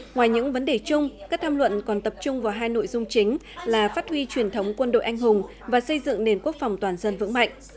ngoài những vấn đề chung các tham luận còn tập trung vào hai nội dung chính là phát huy truyền thống quân đội anh hùng và xây dựng nền quốc phòng toàn dân vững mạnh